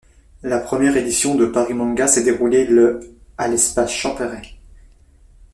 La première édition de Paris Manga s'est déroulée le à l'Espace Champerret.